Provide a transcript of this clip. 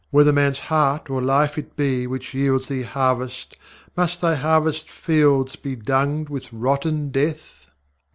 Whether manŌĆÖs heart or life it be which yields Thee harvest, must Thy harvest fields Be dunged with rotten death?